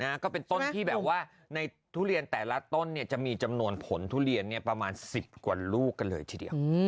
ก็เป็นต้นที่แบบว่าในทุเรียนแต่ละต้นเนี่ยจะมีจำนวนผลทุเรียนเนี่ยประมาณสิบกว่าลูกกันเลยทีเดียว